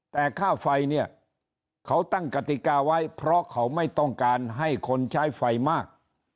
แต่ค่าไฟเนี่ยเขาตั้งกติกาไว้เพราะเขาไม่ต้องการให้คนใช้ไฟมาก